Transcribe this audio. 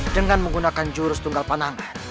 dengan menggunakan jurus tunggal panah